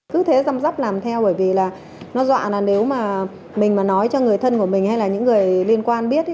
cứ thế chăm sóc làm theo bởi vì là nó dọa là nếu mà mình mà nói cho người thân của mình hay là những người liên quan biết